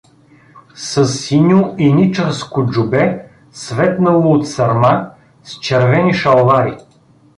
Със синьо еничерско джубе, светнало от сърма, с червени шалвари.